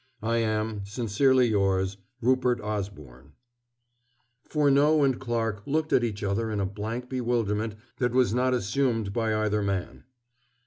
I am, Sincerely yours, RUPERT OSBORNE. Furneaux and Clarke looked at each other in a blank bewilderment that was not assumed by either man.